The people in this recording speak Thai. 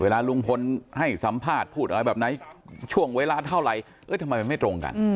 ลุงพลให้สัมภาษณ์พูดอะไรแบบไหนช่วงเวลาเท่าไหร่ทำไมมันไม่ตรงกัน